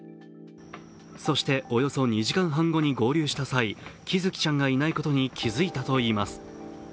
そして、およそ２時間半後に合流した際、喜寿生ちゃんがいないことに気付いたといいます。